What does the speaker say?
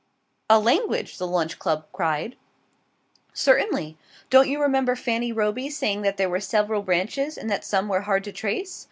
"A language!" the Lunch Club cried. "Certainly. Don't you remember Fanny Roby's saying that there were several branches, and that some were hard to trace?